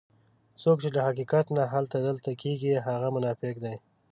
څوک چې له حقیقت نه هلته دلته کېږي هغه منافق دی.